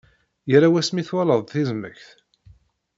Yalla wasmi twalaḍ tizmekt?